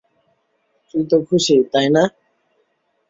তুই তো খুশি, তাই না?